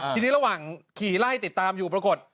ทีนี้ระหว่างขี่ไล่ติดตามอยู่ปรากฏ